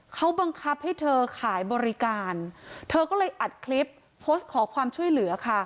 เขาบังคับให้เธอขายบริการเธอก็เลยอัดคลิปโพสต์ขอความช่วยเหลือค่ะ